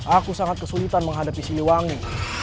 aku sangat kesulitan menghadapi siliwangi